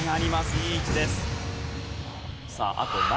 いい位置です。